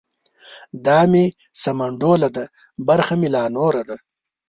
دا مې سمنډوله ده برخه مې لا نوره ده.